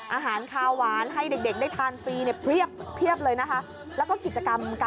อาหารคาวหวานให้เด็กได้ทานฟรีเนี่ยเพรียบเลยนะคะ